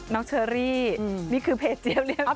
น้องเชอรี่นี่คือเพจเจี๊ยบ